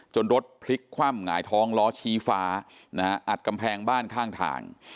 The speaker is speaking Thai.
รถพลิกคว่ำหงายท้องล้อชี้ฟ้านะฮะอัดกำแพงบ้านข้างทาง